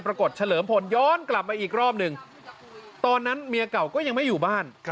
เฉลิมพลย้อนกลับมาอีกรอบหนึ่งตอนนั้นเมียเก่าก็ยังไม่อยู่บ้าน